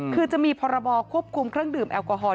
คือจะมีพรบควบคุมเครื่องดื่มแอลกอฮอล